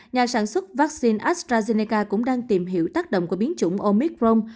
nhà sản xuất vaccine astrazeneca cũng đang tìm hiểu tác động của biến chủng omicron